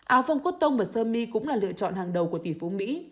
áo phông cốt tông và sơ mi cũng là lựa chọn hàng đầu của tỷ phú mỹ